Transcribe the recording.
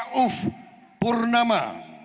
saudara ra'uf purnama